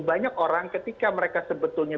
banyak orang ketika mereka sebetulnya